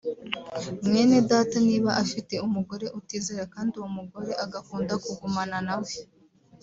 “Mwene Data niba afite umugore utizera kandi uwo mugore agakunda kugumana na we